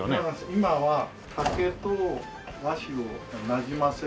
今は竹と和紙をなじませる。